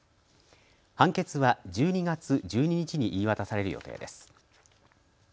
判決は１２月１２日に言い渡される予定です。